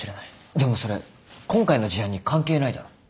でもそれ今回の事案に関係ないだろ。